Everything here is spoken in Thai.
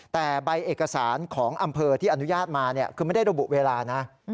แต่ใบเอกสารของอำเภอที่อนุญาตมาคือไม่ได้ระบุเวลานะ